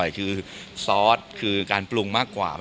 เรื่องปลูกป์ที่อยู่